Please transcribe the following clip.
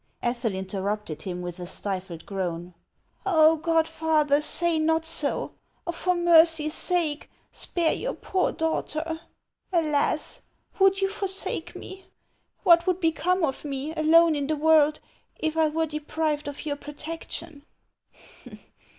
Ethel interrupted him with a stifled groan. " Oh God, father, say not so ! For mercy's sake, spare your poor daughter ! Alas ! would you forsake me ? What would become of me, alone in the world, if I were deprived of your protection